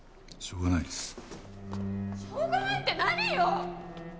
「しょうがない」って何よ！